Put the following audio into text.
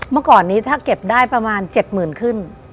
เมื่อก่อนนี้ถ้าเก็บได้ประมาณ๗๐๐๐ขึ้น